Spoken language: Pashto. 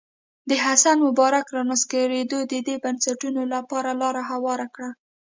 د حسن مبارک رانسکورېدو د دې بنسټونو لپاره لاره هواره کړه.